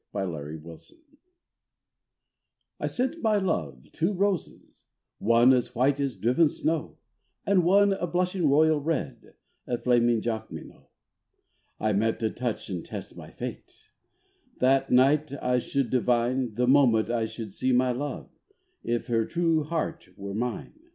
The White Flag I sent my love two roses, one As white as driven snow, And one a blushing royal red, A flaming Jacqueminot. I meant to touch and test my fate; That night I should divine, The moment I should see my love, If her true heart were mine.